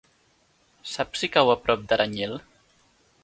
Saps si cau a prop d'Aranyel?